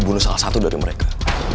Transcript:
bunuh salah satu dari mereka